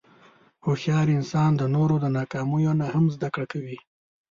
هوښیار انسان د نورو د ناکامیو نه هم زدهکړه کوي.